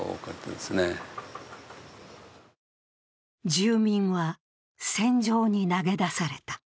住民は戦場に投げ出された。